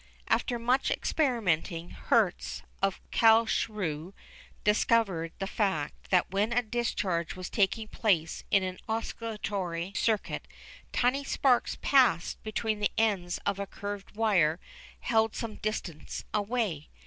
After much experimenting Hertz, of Carlsruhe, discovered the fact that when a discharge was taking place in an oscillatory circuit tiny sparks passed between the ends of a curved wire held some distance away.